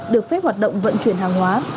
được phép hoạt động vận chuyển hàng hóa